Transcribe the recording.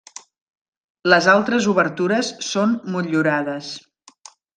Les altres obertures són motllurades.